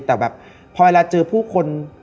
แต่แบบพอเวลาเจอผู้คน